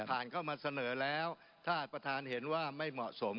เข้ามาเสนอแล้วถ้าประธานเห็นว่าไม่เหมาะสม